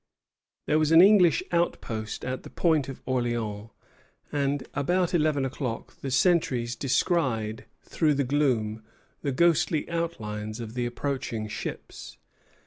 There was an English outpost at the Point of Orleans; and, about eleven o'clock, the sentries descried through the gloom the ghostly outlines of the approaching ships.